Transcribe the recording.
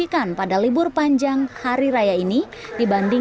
kebun raya bali